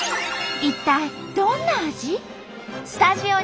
一体どんな味？